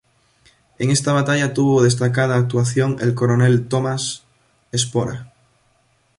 En esta batalla tuvo destacada actuación el coronel Tomás Espora.